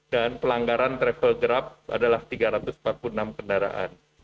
dan pelanggaran travel grab adalah tiga ratus empat puluh enam kendaraan